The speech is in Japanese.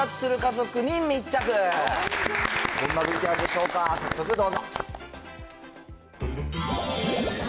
どんなＶＴＲでしょうか、早速どうぞ。